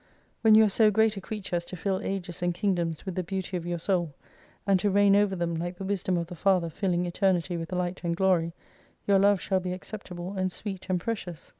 When you are so great a creature as to fill ages and kingdoms with the beauty of your soul, and to reign over them like the Wisdom of the Father filling Eternity with Light and Glory, your love shall be acceptable and sweet and precious.